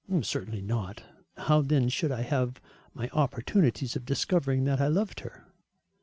"Certainly not. How then should I have my opportunities of discovering that I loved her?"